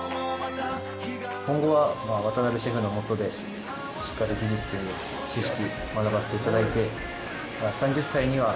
今後は渡邉シェフの下でしっかり技術知識学ばせていただいて。